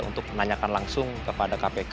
untuk menanyakan langsung kepada kpk